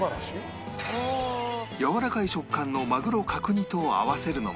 やわらかい食感のまぐろ角煮と合わせるのは